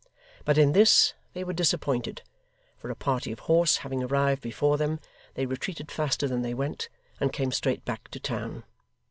But in this, they were disappointed, for a party of horse having arrived before them, they retreated faster than they went, and came straight back to town.